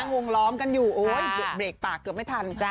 วงล้อมกันอยู่โอ๊ยเบรกปากเกือบไม่ทัน